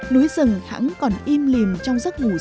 núi rừng hẳn còn im lìm trong giấc ngủ say